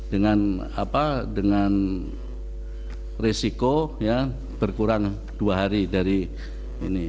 dengan apa dengan risiko berkurang dua hari dari ini